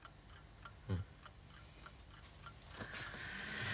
うん。